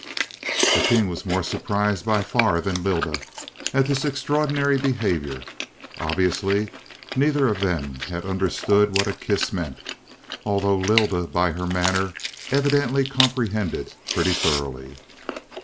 "The king was more surprised by far than Lylda, at this extraordinary behavior. Obviously neither of them had understood what a kiss meant, although Lylda, by her manner evidently comprehended pretty thoroughly.